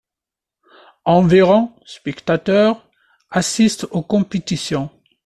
Environ spectateurs assistent aux compétitions.